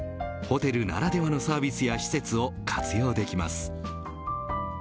ホテルならではのサービスや施設を活用できます。